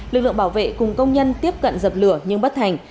lực lượng bảo vệ cùng công nhân tiếp cận dập lửa nhưng bất thành